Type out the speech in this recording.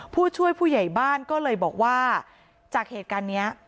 ผู้ช่วยผู้ใหญ่บ้านก็เลยบอกว่าจากเหตุการณ์นี้